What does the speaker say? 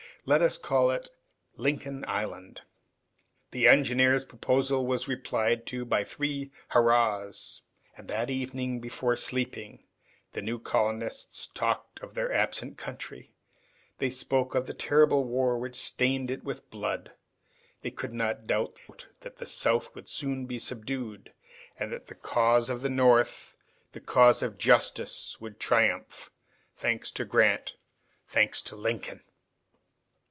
Let us call it Lincoln Island!" The engineer's proposal was replied to by three hurrahs. And that evening, before sleeping, the new colonists talked of their absent country; they spoke of the terrible war which stained it with blood; they could not doubt that the South would soon be subdued, and that the cause of the North, the cause of justice, would triumph, thanks to Grant, thanks to Lincoln!